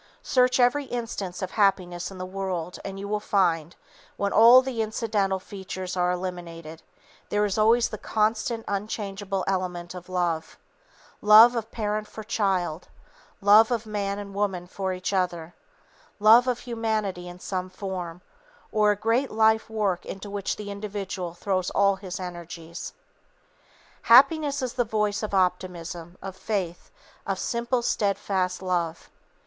Search every instance of happiness in the world, and you will find, when all the incidental features are eliminated, there is always the constant, unchangeable element of love, love of parent for child; love of man and woman for each other; love of humanity in some form, or a great life work into which the individual throws all his energies. Happiness is the voice of optimism, of faith, of simple, steadfast love.